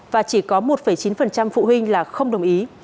và chỉ có một chín phụ huynh là không đồng ý